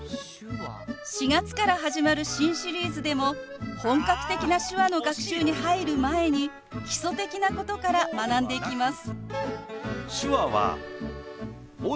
４月から始まる新シリーズでも本格的な手話の学習に入る前に基礎的なことから学んでいきます。